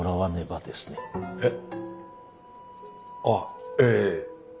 あぁええ。